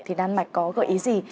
thì đan mạch có gợi ý gì